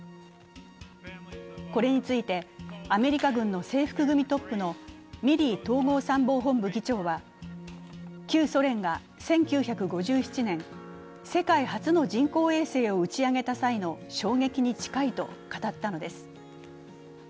これについてアメリカ軍の制服組トップのミリー統合参謀本部議長は旧ソ連が１９５７年、世界初の人工衛星を打ち上げた際の衝撃に近いと語ったのです。